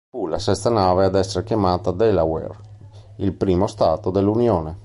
Fu la sesta nave ad essere chiamata "Delaware", il primo stato dell'unione.